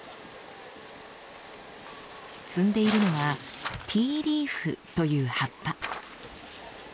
摘んでいるのはティーリーフという葉っぱ。